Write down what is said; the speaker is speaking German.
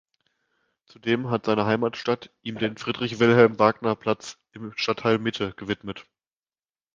Zudem hat seine Heimatstadt ihm den "Friedrich-Wilhelm-Wagner-Platz" im Stadtteil Mitte gewidmet.